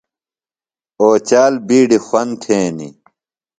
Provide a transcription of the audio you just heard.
اوچال بِیڈیۡ خُوَند تھینیۡ۔